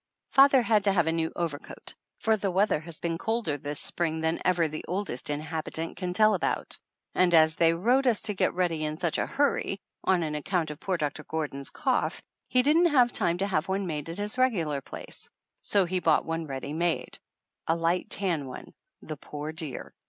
Father had to have a new overcoat, for the weather has been colder this spring than ever the oldest inhabitant can tell about, and as they wrote us to get ready in such a hurry, on ac count of poor Doctor Gordon's cough, he didn't have time to have one made at his regular place, so he bought one ready made, a light tan one, the poor dear!